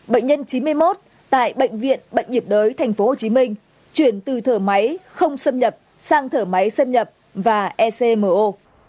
bệnh nhân chín mươi một tại bệnh viện bệnh nhiệt đới tp hcm chuyển từ thở máy không xâm nhập sang thở máy xâm nhập và ecmo